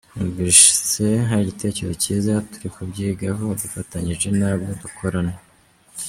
Twumvise ari igitekerezo cyiza, turi kubyigaho dufatanyije n’abo dukorana.